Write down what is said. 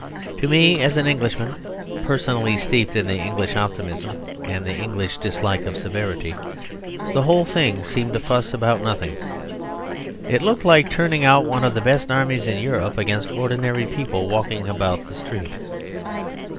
To me, as an Englishman (personally steeped in the English optimism and the English dislike of severity), the whole thing seemed a fuss about nothing. It looked like turning out one of the best armies in Europe against ordinary people walking about the street.